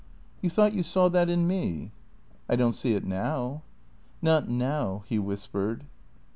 " You thought you saw that in me ?"" I don't see it now." " Not now," he whispered.